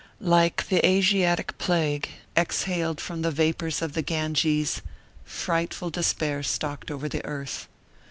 Like the Asiatic plague exhaled from the vapors of the Ganges, frightful despair stalked over the earth.